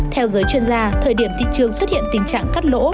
theo giới chuyên gia thời điểm thị trường xuất hiện tình trạng cắt lỗ